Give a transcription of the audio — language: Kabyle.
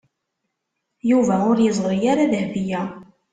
Yuba ur yeẓri ara Dahbiya.